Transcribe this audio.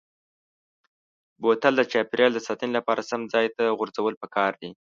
بوتل د چاپیریال د ساتنې لپاره سم ځای ته غورځول پکار دي.